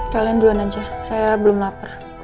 kalian duluan aja saya belum lapar